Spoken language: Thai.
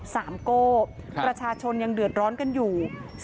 โก้ประชาชนยังเดือดร้อนกันอยู่